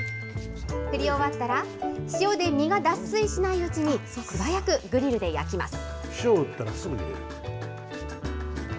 振り終わったら、塩で身が脱水しないうちに、素早くグリルで焼きます。